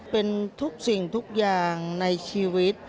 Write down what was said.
เป็นทุกสิ่งทุกอย่างในชีวิต